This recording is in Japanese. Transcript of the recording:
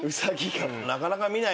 なかなか見ない。